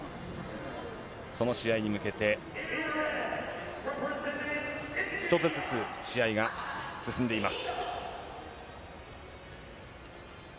その試合に向けて、一つずつ試合が進んでいます。